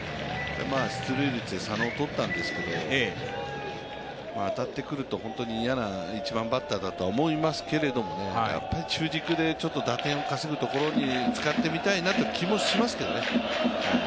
出塁率で佐野をとったんですけど、当たってくると本当に嫌な１番バッターだとは思いますけれども、やっぱり中軸で打点を稼ぐところに使ってみたいなという気もしますけどね。